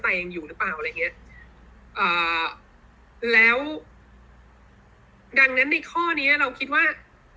ยังอยู่หรือเปล่าอะไรอย่างเงี้ยอ่าแล้วดังนั้นในข้อเนี้ยเราคิดว่า